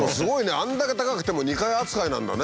あれだけ高くても２階扱いなんだね。